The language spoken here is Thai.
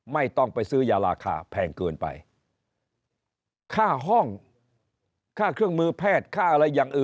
ไม่ต้องไปซื้อยาลาคาแพงเกินไป